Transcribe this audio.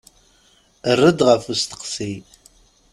Err-d ɣef usteqsi.